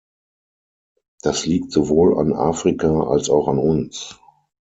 Das liegt sowohl an Afrika als auch an uns.